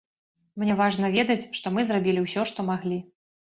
Мне важна ведаць, што мы зрабілі ўсё, што маглі.